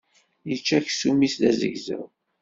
Yečča aksum-is d azegzaw.